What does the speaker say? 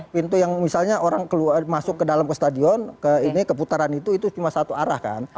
pintu yang misalnya orang masuk ke dalam ke stadion ke ini ke putaran itu itu cuma satu arah kan